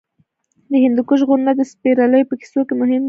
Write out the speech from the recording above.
د هندوکش غرونه د سپرليو په کیسو کې مهم دي.